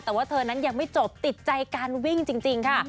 แต่ว่าเธอนั้นยังไม่จบติดใจการวิ่งจริงค่ะ